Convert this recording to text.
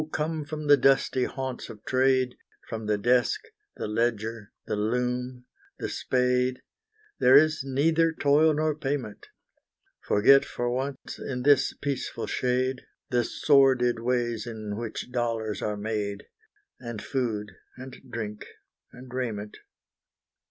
come from the dusty haunts of trade, From the desk, the ledger, the loom, the spade; There is neither toil nor payment. Forget for once, in this peaceful shade, The sordid ways in which dollars are made, And food and drink and raiment.